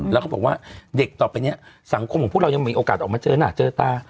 แล้วก็บอกว่าเด็กต่อไปเนี่ยสังคมของพวกเรายังมีโอกาสออกมาเจอหน้าเจอตา